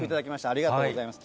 ありがとうございます。